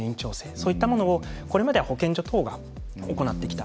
そういったものをこれまでは保健所等が行ってきた。